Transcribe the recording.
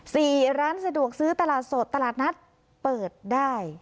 ร้านสะดวกซื้อตลาดสดตลาดนัดเปิดได้